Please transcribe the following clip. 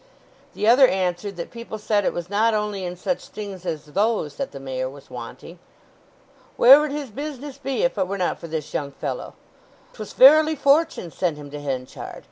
The other answered that people said it was not only in such things as those that the Mayor was wanting. "Where would his business be if it were not for this young fellow? 'Twas verily Fortune sent him to Henchard.